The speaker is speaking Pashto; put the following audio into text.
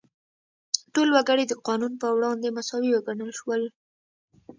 ټول وګړي د قانون په وړاندې مساوي وګڼل شول.